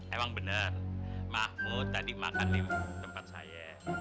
emang bener mahmud tadi makan di tempat saya